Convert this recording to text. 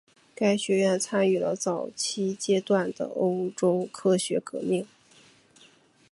该学院参与了早期阶段的欧洲科学革命。